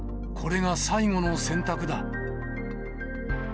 これが最後の選択だ。